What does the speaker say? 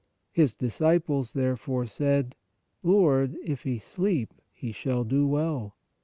His disciples there fore said : Lord, if he sleep, he shall do well.